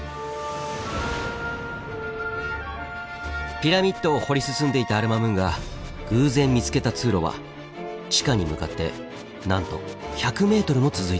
ピラミッドを掘り進んでいたアル・マムーンが偶然見つけた通路は地下に向かってなんと１００ｍも続いていました。